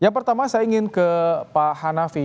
yang pertama saya ingin ke pak hanafi